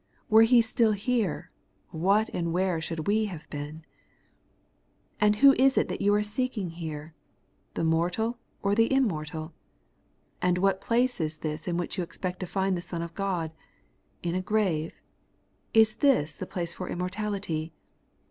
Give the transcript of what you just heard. Were He still here, what and where should we have been ? And who is it that you are seeking here ? The mortal or the immortal ? And what place is this in which you expect to find the Son of God ? In a grave ? Is this the place for immortality